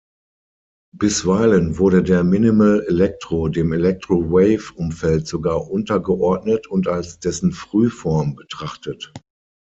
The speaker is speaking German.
Bisweilen wurde der Minimal Electro dem Electro-Wave-Umfeld sogar untergeordnet und als dessen Frühform betrachtet.